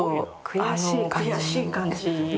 悔しい感じ。